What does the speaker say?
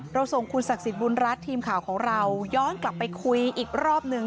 ส่งคุณศักดิ์สิทธิบุญรัฐทีมข่าวของเราย้อนกลับไปคุยอีกรอบหนึ่ง